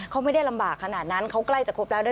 เขาไม่ได้ลำบากขนาดนั้นเขาใกล้จะครบแล้วด้วย